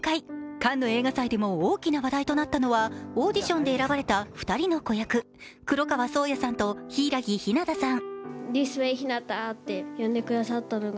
カンヌ映画祭でも大きな話題となったのはオーディションで選ばれた２人の子役、黒川想矢さんと柊木陽太さん。